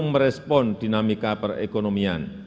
merespon dinamika perekonomian